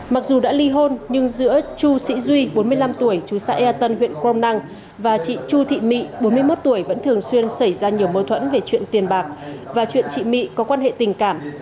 mặc dù đã ly hôn nhưng giữa chu sĩ duy bốn mươi năm tuổi chú xã ea tân huyện crom năng và chị chu thị mị bốn mươi một tuổi vẫn thường xuyên xảy ra nhiều mâu thuẫn về chuyện tiền bạc và chuyện chị my có quan hệ tình cảm